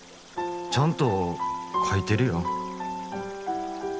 ちゃんと書いてるよ。